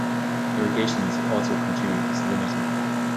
Irrigation is also a contributor to salinity.